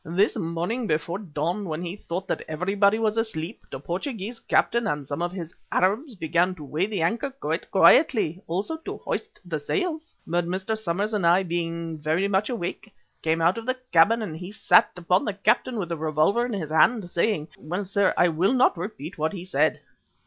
"This morning before the dawn, when he thought that everybody was asleep, the Portuguese captain and some of his Arabs began to weigh the anchor quite quietly; also to hoist the sails. But Mr. Somers and I, being very much awake, came out of the cabin and he sat upon the capstan with a revolver in his hand, saying well, sir, I will not repeat what he said."